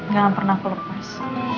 jangan pernah aku lepas